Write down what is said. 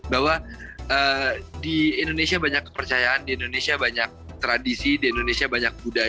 bahwa di indonesia banyak kepercayaan di indonesia banyak tradisi di indonesia banyak budaya